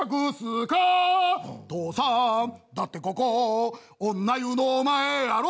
「父さんだってここ女湯の前やろ」